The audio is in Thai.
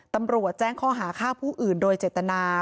ตำรวจแจ้งข้อหาฆ่าผู้อื่นโดยเจตนา